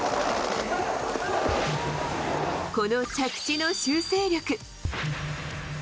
この着地の修正力。